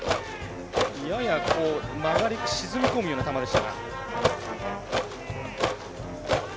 やや曲がり、沈み込むような球でしたが。